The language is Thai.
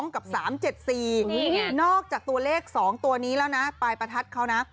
กับ๓๗๔นอกจากตัวเลข๒ตัวนี้แล้วนะปลายประทัดเขานะ